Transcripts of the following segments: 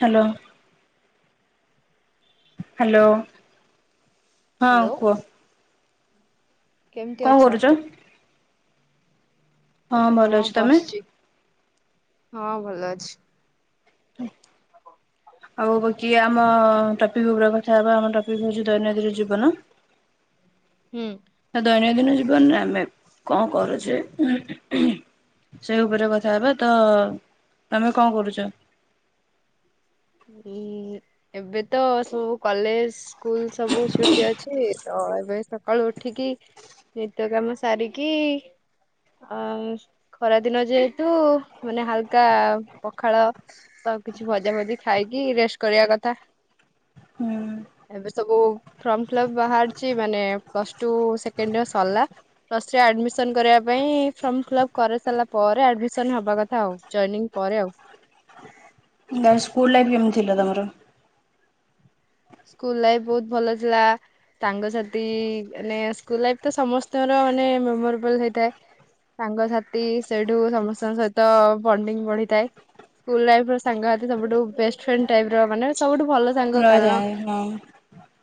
Hello hello. ହଁ hello କୁହ। କେମିତି କଣ ଅଛ? କରୁଛ? ହଁ ଭଲ ଅଛି ତମେ? ହଁ ଭଲ ଅଛି। ହୁଁ। ଆଉ ବାକି ଆମ ଟପିକ ଉପରେ କଥା ହବା ଆମ ଟପିକ ହଉଛି ଦୈନନ୍ଦିନ ଜୀବନ। ହୁଁ। ତ ଦୈନନ୍ଦିନ ଜୀବନରେ ଆମେ କଣ କରୁଛେ ଉହୁ ସେଇ ଉପରେ କଥା ହେବା ତ ଆମେ କଣ କରୁଚ? ଏବେ ତ ସବୁ କଲେଜ ସ୍କୁଲ ସବୁ ଛୁଟି ଅଛି ତ ଏବେ ସକାଳୁ ଉଠିକି ନିତ୍ୟ କାମ ସାରିକି ଅ ଖରା ଦିନ ଯେହେତୁ ମାନେ ହାଲକା ପଖାଳ ତ କିଛି ଭଜା ଭଜି ଖାଇକି ରେଷ୍ଟ କରିଆ କଥା ହୁଁ ଏବେ ସବୁ ଫର୍ମ ଫିଲ୍ପ୍ ବାହାରିଛି ମାନେ ପ୍ଲସ୍ ଟୁ ସେକେଣ୍ଡ ଇଅର୍ ସାରିଲା ପ୍ଲସ ଥ୍ରି ଆଡ୍ମିଶନ୍ କରିବା ପାଇଁ ଫର୍ମ ଫିଲ୍ପ୍ କରି ସାରିଲା ପରେ ଆଡ୍ମିସନ୍ ହବା କଥା ଆଉ ଯଏନିଂ ପରେ ଆଉ। ସ୍କୁଲ ଲାଇଫ କେମିତି ଥିଲା ତମର? ସ୍କୁଲ ଲାଇଫ ବହୁତ ଭଲ ଥିଲା ସାଙ୍ଗସାଥି ମାନେ ସ୍କୁଲ ଲାଇଫ ତ ସମସ୍ତଙ୍କର ମାନେ ମେମୋରେବଲ ହେଇଥାଏ ସାଙ୍ଗସଥି ସେଇଠୁ ସମସ୍ତଙ୍କ ସହିତ ବଣ୍ଡିଙ୍ଗ ବଢିଥାଏ ସ୍କୁଲ ଲାଇଫର ସାଙ୍ଗସାଥି ସବୁଠୁ ବେଷ୍ଟ୍ ଫ୍ରେଣ୍ଡ ଟାଇପର ମାନେ ସବୁଠୁ ଭଲ ସାଙ୍ଗ କାରଣ ନାଇ।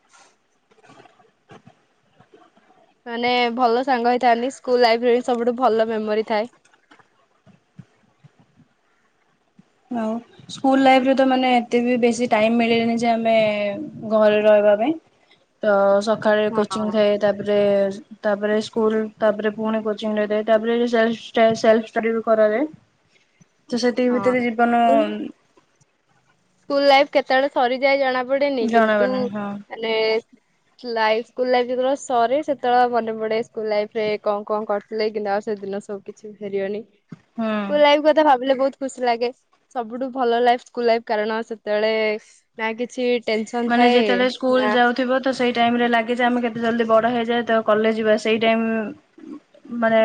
ମାନେ ଭଲ ସାଙ୍ଗ ହେଇଥାନ୍ତି ସ୍କୁଲ ଲାଇଫରେ ବି ସବୁଠୁ ଭଲ ମେମୋରି ଥାଏ। ଆଉ ସ୍କୁଲ ଲାଇରେ ତ ମାନେ ଏତେ ବି ବେଶି ଟାଇମ ମିଳେନି ଯେ ଆମେ ଘରେ ରହିବା ପାଇଁ ତ ସକାଳେ ହଁ କୋଚିଂ ଥାଏ ତାପରେ ତାପରେ ସ୍କୁଲ ତାପରେ ପୁଣି କୋଚିଂ ରହିଥାଏ ତାପରେ ସେଲ୍ଫ ସେଲ୍ଫ ଷ୍ଟଡିବି କରାଯାଏ। ତ ସେତିକି ହଁ ଭିତରେ ଜୀବନ ସ୍କୁଲ ସ୍କୁଲ ଲାଇଫ୍ କେତେବେଳେ ସରିଯାଏ ଜଣା ପ ପଡେନି ଜଣାବ କିନ୍ତୁ ନାହିଁ ହଁ ମାନେ ଲାଇଫ ସ୍କୁଲ ଲାଇଫ ଯେତେବେଳେ ସରେ ସେତେବେଳେ ମନେ ପଡେ ସ୍କୁଲ ଲାଇଫ ରେ କଣ କଣ କରିଥିଲେ କିନ୍ତୁ ଆଉ ସେଦିନ ସବୁ କିଛି ବି ଫେରିବନି ହୁଁ। ସ୍କୁଲ୍ ଲାଇଫ୍ କଥା ଭାବିଲେ ବହୁତ ଖୁସି ଲାଗେ ସବୁଠୁ ଭଲ ଲାଇଫ୍ ସ୍କୁଲ ଲାଇଫ। କାରଣ ସେତେବେଳେ ସ୍ ନା କିଛି। ଟେନସନ ମାନେ ଥାଏ ଯେତେବେଳେ ସ୍କୁଲ ନା ଯାଉଥିବ ତ ସେଇ ଟାଇମ୍ ରେ ଲାଗେ ଯେ ଆମେ କେତେ ଜଲଦି ବଡ ହେଇଯାଏ ତ କଲେଜ ଯିବା ସେଇ ଟାଇମ୍ ମାନେ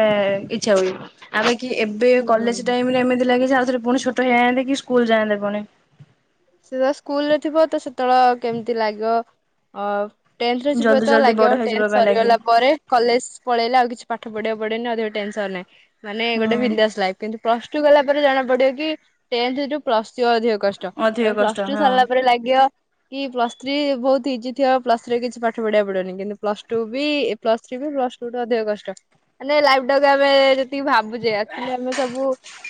ଇଛା ହୁଏ। କି ଏବେ ହୁଁ। କଲେଜ ଟାଇମ୍ ରେ ଏମିତି ଲାଗେ। ଯେ ଆଉଥରେ ପୁଣି ଛୋଟ ହେଇଯାଆନ୍ତେ କି ସ୍କୁଲ ଯାଆନ୍ତେ ପୁଣି। ସେ ପା ସ୍କୁଲରେ ଥିବ ତ ସେତେବେଳେ କେମିତି ଲାଗିବ ଅ ଟେନ୍ଥରେ ଥିବ ଜଲ୍ଦି ଯେତେବେଳେ ଜଲ୍ଦି ଲାଗିବ ବଡ ହେଇଯିବା ଟେନ୍ଥ ପାଇଁ ଲାଗି ସରିଗଲା ପରେ କଲେଜ ପଳେଇଲେ ଆଉ କିଛି ପାଠ ପାଠ ପଢ଼ିବା କୁ ପଡିବନି ଅଧିକ ଟେନସନ୍ ରେ। ମାନେ ଗୋଟେ ହୁଁ ବିନ୍ଦାସ ଲାଇଫ କିନ୍ତୁ ପ୍ଲସ ଟୁ ଗଲାପରେ ଜଣା ପଡିବ କି ଟେନ୍ଥ ରେ ଯୋଉ ପ୍ଲସ ଯିବା ଅଧିକ କଷ୍ଟ। ତା ଅଧିକ ପରେ ପ୍ଲସ କଷ୍ଟ ଟୁ ହଁ ସରିଲା ପରେ ଲାଗିବ। କି ପ୍ଲସ ଥ୍ରୀ ବହୁତ ଇଜି ଥିବ ପ୍ଲସ୍ ଥ୍ରୀରେ କିଛି ପାଠ ପଢିବାକୁ ପଡିବନି କିନ୍ତୁ ପ୍ଲସ ଟୁ ବି ପ୍ଲସ ଥ୍ରୀ ବି ପ୍ଲସ୍ ଟୁ ଠୁ ଅଧିକ କଷ୍ଟ ମାନେ ଲାଇଫ ଟା ଆମେ ଯେତିକି ଭାବୁଛେ ହେଲେ ଆମେ ସବୁ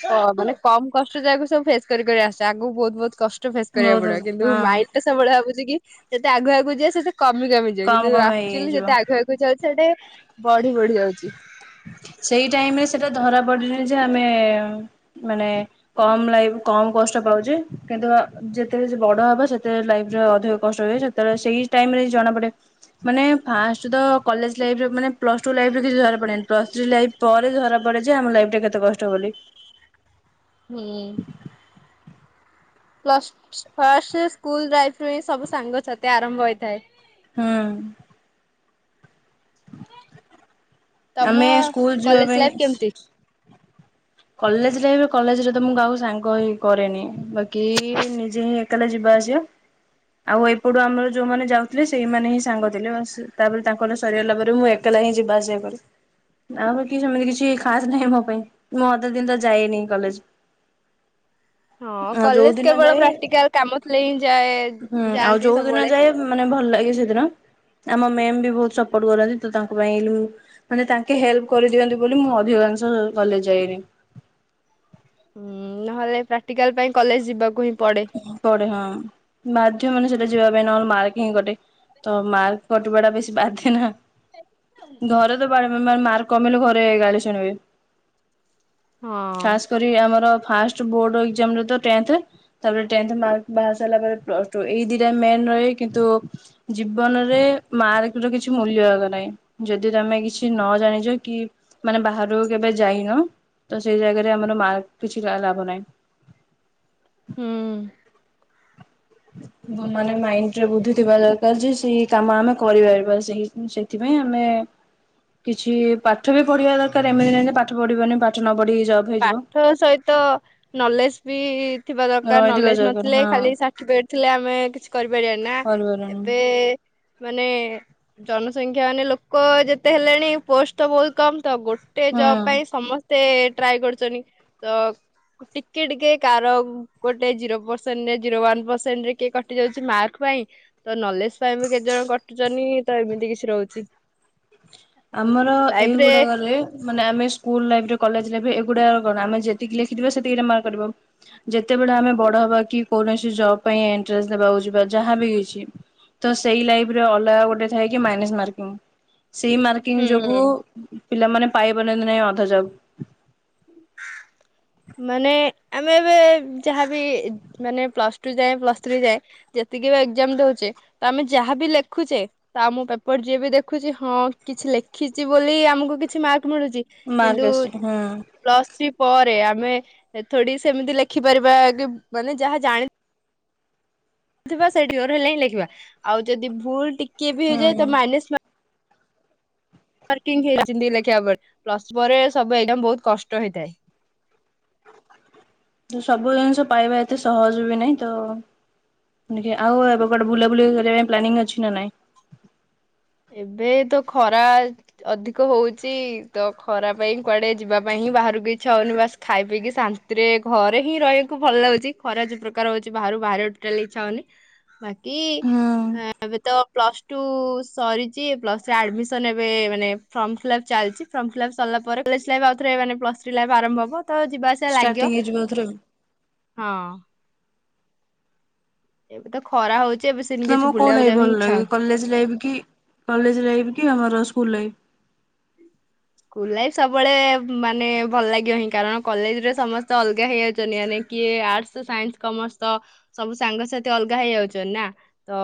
କ ମାନେ। କମ କଷ୍ଟ ଯାହାକୁ ସବୁ ଫେସ କରି କରି ଆସିଛେ ଆଗକୁ ବହୁତ ବହୁତ କଷ୍ଟ। ଫେସ୍ କରିବାକୁ ବହୁତ ପଡିବ ହଁ କିନ୍ତୁ ମାଇଣ୍ଡରେ ସବୁବେଳେ କି ଯେତେ ଆଗୁ ଆଗକୁ ଜିବା ସେତେ କମି କମିଯିବ କମ କିନ୍ତୁ କମ ଆକ୍ଚୁଲି ହେଇଯିବ ଯେତେ ଆଗକୁ ଆଗକୁ ଯାଉଛେ ସିଏ ଟିକେ ବଢି ବଢି ଯାଉଛି। ସେଇ ଟାଇମ ରେ ସେଟା ଧରା ପଡ଼ିଲେନି ଯେ ଆମେ ମାନେ କମ ଲାଇଫ କମ କଷ୍ଟ ପାଉଛେ କିନ୍ତୁ ଯେତେଯେତେ ବଡ ହବା ସେତେ ଲାଇଫରେ ଅଧିକ କଷ୍ଟ ହୁଏ ସେତେବେଳେ ସେଇ ଟାଇମ ରେ ଜଣାପଡେ ମାନେ ଫାଷ୍ଟ୍ ତ କଲେଜ ଲାଇଫରେ ପ୍ଲସ ଟୁ ଲାଇଫ ରେ କିଛି ଧରା ପଡେନି। ପ୍ଲସ ଥ୍ରୀ ଲାଇଫ ପରେ ଧରା ପଡେ ଯେ ଆମ ଲାଇଫ ଟା କେତେ କଷ୍ଟ ବୋଲି। ହୁଁ। ପ୍ଲସ ଫାଷ୍ଟ ସ୍କୁଲ ଲାଇଫ ରୁ ହିଁ ସବୁ ସାଙ୍ଗସଥି ଆରମ୍ଭ ହୋଇଥାଏ। ହୁଁ। ତମ ଆମେ ସ୍କୁଲ ଯିବା କଲେଜ ପାଇଁ ଲାଇଫ କେମିତି? କଲେଜରେ ଏବେ କଲେଜ ରେ ତ ମୁଁ କାହାକୁ ସାଙ୍ଗ ହିଁ କରେନି ବାକି ନିଜେ ହିଁ ଏକଲା ଯିବା ଆସିବା ଆଉ ଏପଟୁ ଆମର ଯୋଉମାନେ ଯାଉଥିଲେ ସେଇମାନେ ହିଁ ସାଙ୍ଗ ଥିଲେ ବାସ୍ ତାପରେ ତାଙ୍କର ସରିଗିଲା ପରେ ମୁଁ ଏକଲା ହିଁ ଯିବା ଆସିବା କରେ ଆଉ ବାକି ସେମିତି କିଛି ଖାସ୍ ନାହିଁ ମୋ ପାଇଁ। ମୁଁ ଅଧା ଦିନ ତ ଯାଇନି କଲେଜ। ହଁ ଆଉ ଯୋଉ କଲେଜ ଦିନ କେବଳ ଯାଏ ପ୍ରାକ୍ଟିକାଲ କାମ ଥିଲେ ହିଁ ଯାଏ ହୁଁ ଆଉ ଯାଆନ୍ତି ଯୋଉ ଦିନ ସବୁବେଳେ। ଯାଏ ମାନେ ଭଲ ଲାଗେ ଆମ ମ୍ୟାମ୍ ବି ବହୁତ ସପୋର୍ଟ କରନ୍ତି ତୁ ତାଙ୍କ ପାଇଁ ମାନେ ତାଙ୍କେ ହେଲ୍ପ କରିଦିଅନ୍ତି ବୋଲି ମୁଁ ଅଧିକାଂଶ କଲେଜ ଜାଏନି। ହୁଁ ନହେଲେ ପ୍ରାକ୍ଟିକାଲ ପାଇଁ କଲେଜ ଯିବାକୁ। ହିଁ ପଡେ। ପଡେ ହଁ ମାଦ ମାନେ ସେଟା ଯିବା ପାଇଁ ନହେଲେ ମାରକିଙ୍ଗ୍ କଟେ ତ ମାର୍ କଟିବାଟା ବେଶୀ ବାଧେ ନା। ଘରତ ବାର ହଁ ବା ମାର୍କ କମିଲେ ଘରେ ଗାଳି ଶୁଣିବେ ହଁ। ଖାସ କରି ଆମର ଫାଷ୍ଟ ଯୋଉ ବୋର୍ଡ ଏକ୍ସାମ ରେ ତ ଟେନ୍ଥ ତାପରେ ଟେନ୍ଥ ମାର୍କ ବାହାରି ସାରିଲା ପରେ ପ୍ଲସ ଟୁ ଏଇ ଦିଟା ମେନ ରହେ କିନ୍ତୁ ଜୀବନରେ ମାର୍କ ର କିଛି ମୂଲ୍ୟ ଆଗ ନାହିଁ। ଯଦି ତମେ କିଛି ନ ଜାଣିଛ କି ମାନେ ବାହାରକୁ କେବେ ଯାଇନ ତ ସେଇ ଜାଗାରେ ଆମର ମାର୍କ କିଛିଟା ଲାଭ ନାହିଁ। ହୁଁ। ଭଲ। ମାନେ ମାଇଣ୍ଡ ରେ ବୁଦ୍ଧି ଥିବା ଦରକା [unintelligible] ସେଇ କାମ ଆମେ କରିପାରିବା ସେଇ ସେଥିପାଇଁ ଆମେ କିଛି ପାଠ ବି ପଢିବା ଦରକାର ଏମିତିତି ନାହିଁ କି ପାଠ ପଢିବନି ପାଠ ନ ପଢିକି ଜବ୍ ହେଇଯିବ। ପାଠ ସହିତ ନଲେଜ ବି ଥିବା ଦରକାର ରହିଥିବା ନଲେଜ ଦରକାର ନଥିଲେ ହଁ ଖାଲି ସାର୍ଟିଫିକେଟ ଥିଲେ ଆମେ କିଛି କରିପାରିବା ନା କରିପାରିବନି ଏବେ ମାନେ ଜନସଂଖ୍ୟା ମାନେ ଲୋକ ଯେତେ ହେଲେଣି ପୋଷ୍ଟ ଟା ବହୁତ କମ୍। ତ ଗୋଟେ ଜବ ହୁଁ। ପାଇଁ ସମସ୍ତେ ସେ ଟ୍ରାଏ କରୁଚନ୍ତି ତ ଟିକେ ଟିକେ କାର ଗୋଟେ ଜିରୋ ପରସେଣ୍ଟ ଜିରୋ ୱାନ ପରସେଣ୍ଟରେ କିଏ କଟି ଯାଉଛି ମାର୍କ ପାଇଁ ତ ନଲେଜ ପାଇଁ ବି କେତେ ଜଣ କଟୁଛନ୍ତି ତ ଏମିତି କିଛି ରହୁଛି। ଆମର ଲାଇଫ ରେ ଏଇଗୁଡାଗଲେ ମାନେ ଆମେ ସ୍କୁଲ ଲାଇଫରେ କଲେଜରେ ବି ଏ [unintelligible] ଆମେ ଯେତିକି ଲେଖିଥିବା ସେତିକି ଆମ ମାର୍କ କଟିବ। ଯେତେବେଳେ ଆମେ ବଡ଼ ହବା କି କୌଣସି ଯବ ପାଇଁ ଏଣ୍ଟ୍ରାସ୍ ଦେବାକୁ ଯିବା ଯାହା ବି କିଛି ତ ସେଇ ଲାଇଫ୍ ରେ ଅଲଗା ଗୋଟେ ଥାଏ କି ମାଇନସ୍ ମାର୍କିଙ୍ଗ୍। ସେଇ ମା ତିନି ଯୋଗୁଁ ହୁଁ ପିଲାମାନେ ପାଇପାରନ୍ତି ନାଇଁ ଅଧା ଯବ ମାନେ ଆମେ ଏବେ ଯାହାବି ମାନେ ପ୍ଲସ୍ ଟୁ ଯାଏଁ ପ୍ଲସ୍ ଥ୍ରୀ ଯାଏଁ ଯେତିକି ବି ଏକ୍ଜାମ ଦଉଛେ ତ ଆମେ ଯାହାବି ଲେଖୁଛେ ତ ଆମ ପେପର ଯିଏ ବି ଦେଖୁଛି ହଁ କିଛି ଲେଖିଛି ବୋଲି ଆମକୁ କିଛି ମାର୍କ ମାର୍କ ଆସୁନି ହୁଁ। ପ୍ଲସ୍ ଥ୍ରୀ ପରେ ଆମେ ଥୋଡି ସେମିତି ଲେଖିପାରିବା କି ମାନେ ଯାହା ଜାଣି ଥିବା ସେଠି ସୋରହେଲେ ହିଁ ଲେଖିବା ଆଉ ଯଦି ଭୁଲ ଟିକେ ଟିକେ ବି ହେଇଯାଏ ହୁଁ ତ ମାଇନସ୍ ମାର୍କ [unintelligible] ମାର୍କିଂ ଲେଖିବା ପରେ ପ୍ଲସ ଥ୍ରି ପରେ ସବୁ ଏକ୍ସାମ୍ ବହୁତ କଷ୍ଟ ହେଇଥାଏ। ସବୁ ଜିନିଷ ପାଇବା ଏତେ ସହଜ ବି ନାଇଁ ତ ଆଉ ଏବେ କୁଆଡେ ବୁଲାବୁଲି କରିବା ପାଇଁ ପ୍ଲାନିଙ୍ଗ୍ ଅଛି ନା ନାଇଁ ଏବେ ତ ଖରା ଅ ଅଧିକ ହଉଛି ତ ଖରା ପାଇଁ କୁଆଡେ ଯିବା ପାଇଁ ହିଁ ବାହାରକୁ ଇଚ୍ଛା ହଉନି ବାସ ଖାଇ ପିଇକି ଶାନ୍ତିରେ ଘରେ ହିଁ ରହିବାକୁ ଭଲ ଲାଗୁଛି ଖରା ଯୋଉ ପ୍ରକାର ହଉଛି ବାହାରକୁ ବାହାରିବାକୁ ଟୋଟାଲି ଇଚ୍ଛା ହଉନି ବା କି ହୁଁ ଏବେ ତ। Plus two. ସରିଛି ପ୍ଲସ ଥ୍ରି ଆଡ୍ମିସନ ଏବେ ମାନେ ଫର୍ମ ଫିଲପ୍ ଚାଲିଛି ଫର୍ମ ଫିଲପ୍ ସରିଲା ପରେ କଲେଜ ଲାଇନ ଆଉଥରେ ମାନେ ପ୍ଲସ୍ ଥ୍ରୀ ଲାଇଫ୍ ଆରମ୍ଭ ହବ। ତ ଯିବା ଆସିବା ଷ୍ଟାର୍ଟିଂ ଲାଗିବ। ହେଇଯିବ ଏଥର ଆଉ। ହଁ। ଏବେ ତ ଖରା ହଉଛି। ଏବେ ସେମିତି ତମକୁ କିଛି କୋଉ ବୁଲିବାକୁ ଲାଇଫ ଯିବାକୁ ହିଁ ଭଲ ଇଚ୍ଛା ହଉନି। ଲାଗେ କଲେଜ ଲାଇଫ କି କଲେଜ ଲାଇଫ କି ଆମର ସ୍କୁଲ ଲାଇଫ୍। ସ୍କୁଲ ଲାଇଫ୍ ସବୁବେଳେ ମାନେ ଭଲ ଲାଗିବ ହିଁ କାରଣ କଲେଜରେ ସମସ୍ତେ ଅଲଗା ହେଇଯାଉଚନ୍ତି ମାନେ କିଏ ଆର୍ଟସ୍ ସାଇନ୍ସ କମର୍ସ ସବୁ ସାଙ୍ଗସାଥି ଅଲଗା ହେଇଯାଉଚନ୍ତି ନା ତ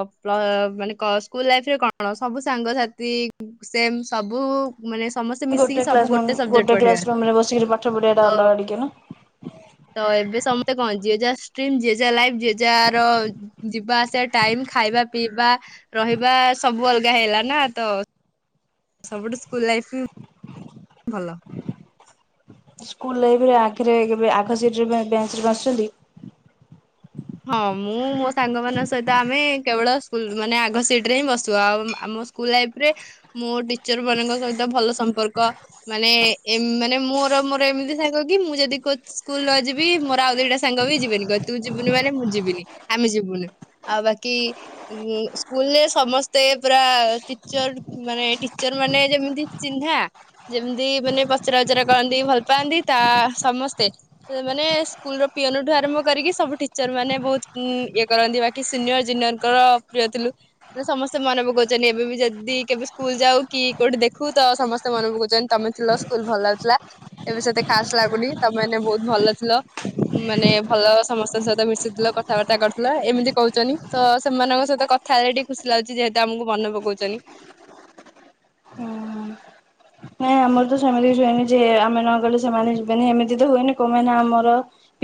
ମାନେ ସ୍କୁଲ ଲାଇଫରେ କଣ ସବୁ ସାଙ୍ଗସାଥି ସେମ୍ ସବୁ ମାନେ ସମସ୍ତେ ମିଶିକି ଗୋଟେ ସବୁ ସବଜେକ୍ଟ ଗୋଟେ କ୍ଲାସ କ୍ଲାସ୍ ପଢିବାର ରୁମ୍ ରେ ବସିକି ପାଠ ପଢିବା ତ ଟା ଅଲଗା ଟିକେ ଏବେ ନା। ସମସ୍ତେ ତ କଣ ଯିଏ ଯା ଷ୍ଟ୍ରିମ୍ ଯିଏ ଜ ଲାଇଫ୍ ଯିଏ ଜାହାର ଯିବା ଆସିବା ଟାଇମ ଖାଇବା ପିଇବା ରହିବା ସବୁ ଅଲଗା ହେଇଲା ନା ତ ସବୁଠୁ ସ୍କୁଲ ଲାଇଫ୍ ହିଁ ଭଲ। ସ୍କୁଲ ବିରେ ଆ ପାଖରେ କେବେ ଆଗ ସିଟ ରେ ବ ବା ସେଠି ବସିଛନ୍ତି? ହଁ ମୁଁ ମୋ ସାଙ୍ଗ ମାନଙ୍କ ସହିତ ଆମେ କେବଳ ସ୍କୁଲ୍ ମାନେ ଆଗ ସିଟ ରେ ହିଁ ବସୁ ଆଉ ଆମ ସ୍କୁଲ ଲାଇଫରେ ମୋ ଟିଚର ମାନଙ୍କ ସହିତ ଭଲ ସମ୍ପର୍କ ମାନେ ମାନେ ମୋର ମୋର ଏମିତି ସାଙ୍ଗ କି ମୁଁ ଯଦି ସ୍କୁଲ ନ ଯିବି ମୋର ଆଉ ଦିଟା ସାଙ୍ଗ ବି ଯିବେନି କହିବେ ତୁ ଯିବୁ ମାନେ ମୁଁ ଯିବିନି ଆମେ ଯିବୁନି ଆଉ ବାକି ସ୍କୁଲରେ ସମସ୍ତେ ପୁରା ଟିଚର ମାନେ ଯେମିତି ଚିହ୍ନା ଯେମତି ମାନେ ପଚରା ଉଚରା କରନ୍ତି ଭଲ ପାଆନ୍ତି ତା ସମସ୍ତେ ମାନେ ସ୍କୁଲ ପିଅନଠୁ ଆରମ୍ଭ କରିକି ସବୁ ଟିଚର ମାନେ ବହୁତ ଇଏ କରନ୍ତି ବାକି ସିନିୟର ଜୁନିୟରଙ୍କର ପ୍ରିୟ ଥିଲୁ ମାନ ସମସ୍ତେ ମନେ ପକାଉଛନ୍ତି ଏବେ ବି ଯଦି କେବେ ସ୍କୁଲ ଯାଉ କି କୋଉଠି ଦେଖୁ ତ ସମସ୍ତେ ମନେ ପକାଉଛନ୍ତି ତମେ ଥିଲ ସ୍କୁଲ ଭଲ ଥିଲା ଏବେ ସତେ ଖାସ୍ ଲାଗୁନି ତମୋନେ ବହୁତ ଭଲ ଥିଲ ମାନେ ଭଲ ସମସ୍ତେ। ଙ୍କ ସହିତ ମିଶିଥିଲ କଥାବାର୍ତ୍ତା କରୁଥିଲ ଏମିତି କହୁଛନ୍ତି ତ ସେମାନଙ୍କ ସହିତ କଥା ହେଲେ ଟିକେ ଖୁସି ଲାଗୁଛି ଯେହେତୁ ଆମକୁ ମନ ପକାଉଛନ୍ତି। ନ ଆମର ତ ସେମିତି ହୁଏନି ଯେ ଆମେ ନ ଗଲେ ସେମାନେ ଯିବେନି ଏମିତି ତ ହୁଏନି କଣମାନେ ଆମର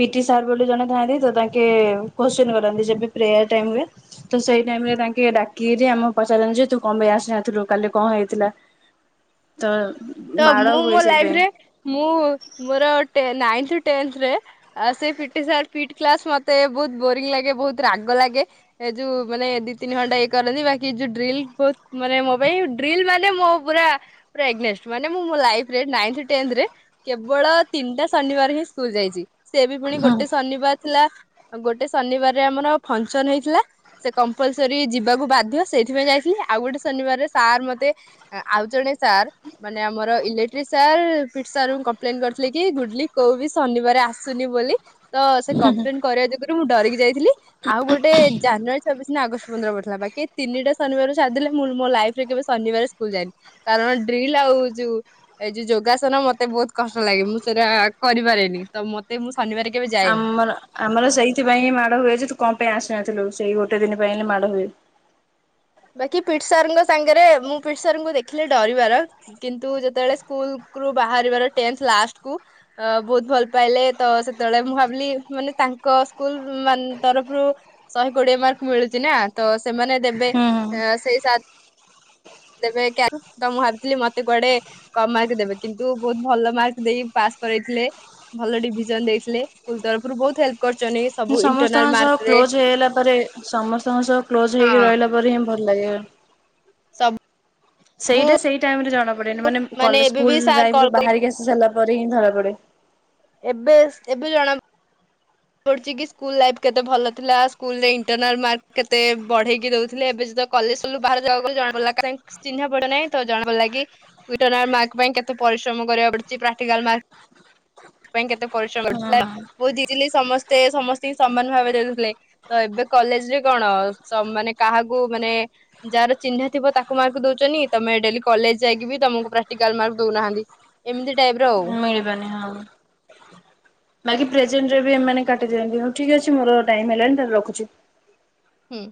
ପିଟି ସାର୍ ବୋଲି ଜଣେ ଥାଆନ୍ତି ତ ତାଙ୍କେ କୋଶ୍ଚିନ କରନ୍ତି ଯେବେ ପ୍ରେୟାର ଟାଇମ ରେ ତ ସେଇ ଟାଇମ ରେ ତାଙ୍କେ ଡାକରି ଆମେ ପଚାରନ୍ତି ଯେ ତୁ କଣ ଆସି ନଥିଲୁ କାଲି କଣ ହେଇଥିଲା ତ ତ ମାଡ଼ ମୁଁ ହୁଏ ମୋ ଲାଇଫରେ ସେଇଥିପାଇଁ। ମୁଁ ମୋର ନାଇନ୍ଥ ଟେନ୍ଥରେ ସେ ପିଟି ସାର ପିଟ୍ କ୍ଲାସ୍ ମତେ ବହୁତ ବୋରିଙ୍ଗ ଲାଗେ ବହୁତ ରାଗ ଲାଗେ ଏ ଯୋଉ ମାନେ ଦି ତିନି ଘଣ୍ଟା ଇଏ କରନ୍ତି ବାକି ଯୋଉ ଡ୍ରିଲ ବହୁ ମାନେ ମୋ ପାଇଁ ଡ୍ରିଲ ମାନେ ମୋ ପୁରା ଏଗନେଷ୍ଟ। ମାନେ ମୁଁ ମୋ ଲାଇଫରେ ନାଇଥ ଟେନ୍ଥ ରେ କେବଳ ତିନିଟା ଶନିବାର ହିଁ ସ୍କୁଲ ଯାଇଛି ସେ ବି ପୁଣି ଗୋଟେ ଶନିବାର ଥିଲା ଗୋଟେ ଶନିବାରରେ ଆମର ଫଙ୍କସନ ହେଇଥିଲା ସେ କମ୍ପଲସରୀ ଯିବାକୁ ବାଧ୍ୟ ସେଇଥିପାଇଁ ଯାଇଥିଲି ଆଉ ଗୋଟେ ଶନିବାରରେ ସାର୍ ମତେ ଆଉ ଜଣେ ସାର୍ ମାନେ ଆମର ଇଲେକ୍ଟ୍ରି ସାର୍ ପିଟ ସାର ଙ୍କୁ କମ୍ପ୍ଲେନ କରିଥିଲି କି ଗୁଡଲି କୋଉ ବି ଶନିବାର ଆସୁନି ବୋଲି ତ ସେ କମ୍ପ୍ଲେନ କରିବା ଯୋଗୁରୁ ମୁଁ ଡରିକି ଯାଇଥିଲି ଆଉ ଗୋଟେ ଜାନୁଆରୀ ଛବିଶ ନା ଅଗଷ୍ଟ ପନ୍ଦର ପଡ଼ିଥିଲା ବାକି ତିନିଟା ଶନିବାରକୁ ଛାଡିଦେଲେ ମୁଁ ମୋ ଲାଇଫରେ କେବେ ଶନିବାର ସ୍କୁଲ ଯାଇନି କାରଣ ଡ୍ରିଲ ଆଉ ଯୋଉ ଏ ଯୋଉ ଯୋଗାସନ ମତେ ବହୁତ କଷ୍ଟ ଲାଗେ ମୁଁ ସେରା କରିପାରେନି ତ ମତେ ମୁଁ ଶନିବାର କେବେ ଯାଏନି। ଆମର ଆମର ସେଇଥିପାଇ ହିଁ ମାଡ ହୁଏଜେ ତୁ କଣ ପାଇଁ ଆସିନଥିଲୁ? ସେଇ ଗୋଟେ ଦିନ ପାଇଁହୁଁ ମାଡ଼ ହୁଏ। ବାକି ପିଟ ସାର ଙ୍କ ସାଙ୍ଗରେ ମୁଁ ପିଟ ସଙ୍କୁ ଦେଖିଲେ ଡରିବାର କିନ୍ତୁ ଯେତେବେଳେ ସ୍କୁଲୁ ବାହାରିବାର ଟେଥ ଲାଷ୍ଟ କୁ ବହୁତ ଭଲ ପାଇଲେ ତ ସେତେବେଳେ ମୁଁ ଭାବିଲି ମାନେ ତାଙ୍କ ସ୍କୁଲ ମ ତରଫରୁ ଶହେ କୋଡିଏ ମାର୍କ ମିଳୁଛି ନା ତ ସେମାନେ ଦେବେ। ହୁଁ ସେଇ ଦେବେ ତ ମୁଁ ଭାବିଥିଲି ମତେ କୁଆଡେ କମ ମାର୍କ ଦେବେ କିନ୍ତୁ ବହୁତ ଭଲ ମାର୍କ ଦେଇ ପାସ୍ କରାଇଥିଲେ ଭଲ ଡିଭିଜନ ଦେଇଥିଲେ ସ୍କୁଲ ତରଫରୁ ବହୁତ ହେଲ୍ପ କରିଥିଲେ। ସମସ୍ତଙ୍କ ସହ କ୍ଲୋଜ ହେଇଗଲା ପରେ ସମସ୍ତଙ୍କ ସହ କ୍ଲୋଜ ହେଇକି ରହିଲା ପରେ ହିଁ ଭଲ ଲାଗେ। ସ ସେଇଟା ସେଇ ଟାଇମ ରେ ଜଣାପଡେନି ମାନେ କଲେ ଏବେ ବି ସ୍କୁଲ ସାର୍ ଲାଇଫ୍ ରୁ କଲ୍ କରି ବାହାରିକି ଆସି ସାରିଲା ପରେ ପରେ ହିଁ ଧରା ପଡେ। ଏବେ ଏବେ ଜଣା ପଡ଼ୁଛି କି ସ୍କୁଲ ଲାଇଫ୍ କେତେ ଭଲ ଥିଲା ସ୍କୁଲରେ ଇଣ୍ଟରନାଲ ମାର୍କ କେତେ ବଢେଇକି ଦଉଥିଲେ ଏବେ ଯ କଲେଜ ସ ବାହାରକୁ ଜଣା ପଡ଼ିଲ ଚିହ୍ନା ପଡେହିଁ ତ ଜଣା ପଡ଼ିଲ କି ଇଣ୍ଟର୍ନାଲ୍ ମାର୍କ ପାଇଁ କେତେ ପରିଶ୍ରମ କରିବାକୁ ପଡୁଛି ପ୍ରାକ୍ଟିକାଲ୍ ମାର୍କ ପାଇଁ କେତେ ପରିଶ୍ରମ କରିବାକୁ ପଡୁଛି ହଁ ବହୁତ୍ ଇଜି ସମସ୍ତେ ସମସ୍ତିଙ୍କି ସମାନ ଭାବେ ଦେଇଦଉଥିଲେ ତ ଏବେ କଲେଜ ରେ କଣ ମାନେ କାହାକୁ ମାନେ ଯାହାର ଚିହ୍ନା ଥିବ ତାକୁ ମାର୍କ ଦଉଛନ୍ତୀ ତମେ ଡେଲି କଲେଜ ଯାଇକି ବି ତମକୁ ପ୍ରାକ୍ଟିକାଲ ମାର୍କ ଦଉନାହାନ୍ତି ଏମିତି ଟାଇପ ର ଆଉ। ମିଳିବାନି ହଁ ବାକି ପ୍ରେଜେଣ୍ଟ ରେ ବି ଏମାନେ କଟିଦିଅନ୍ତି ଠିକ ଅଛି ମୋର ଟାଇମ୍ ହେଲାଣି ମୁଁ ରଖୁଛି। ହୁଁ।